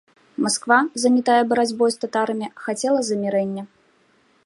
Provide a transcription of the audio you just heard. Масква, занятая барацьбой з татарамі, хацела замірэння.